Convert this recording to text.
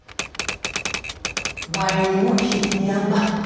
舞にも聞いてみらんば。